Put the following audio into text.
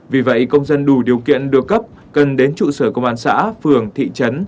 vì vậy công dân đủ điều kiện được cấp cần đến trụ sở công an xã phường thị trấn